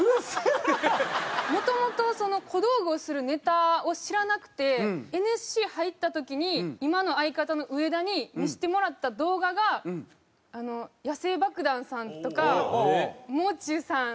もともと小道具をするネタを知らなくてＮＳＣ入った時に今の相方の植田に見せてもらった動画が野性爆弾さんとかもう中さん。